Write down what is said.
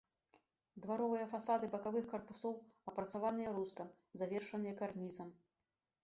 Дваровыя фасады бакавых карпусоў апрацаваныя рустам, завершаныя карнізам.